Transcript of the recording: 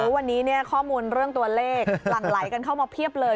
วันนี้ข้อมูลเรื่องตัวเลขหลั่งไหลกันเข้ามาเพียบเลย